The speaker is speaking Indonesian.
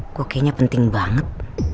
aku kayanya penting banget